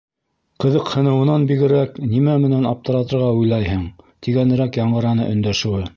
Ҡыҙыҡһыныуынан бигерәк, нимә менән аптыратырға уйлайһың, тигәнерәк яңғыраны өндәшеүе.